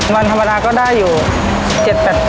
คนธรรมดาก็ได้อยู่๗๐๐๐๘๐๐๐คิด